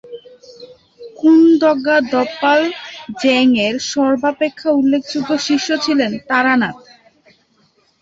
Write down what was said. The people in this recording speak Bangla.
কুন-দ্গা'-দ্পাল-ব্জাংয়ের সর্বাপেক্ষা উল্লেখযোগ্য শিষ্য ছিলেন তারানাথ।